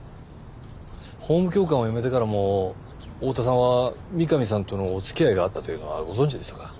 法務教官を辞めてからも大多さんは三上さんとのお付き合いがあったというのはご存じでしたか？